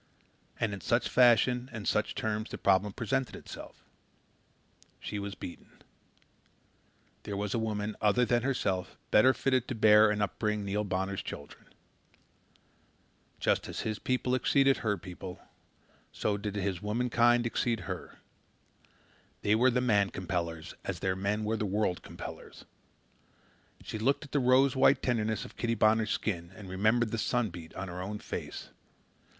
And in such fashion and such terms the problem presented itself. She was beaten. There was a woman other than herself better fitted to bear and upbring Neil Bonner's children. Just as his people exceeded her people, so did his womankind exceed her. They were the man compellers, as their men were the world compellers. She looked at the rose white tenderness of Kitty Bonner's skin and remembered the sun beat on her own face.